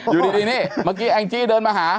อยู่ดีนี่เมื่อกี้แองจี้เดินมาหา